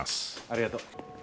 ありがとう。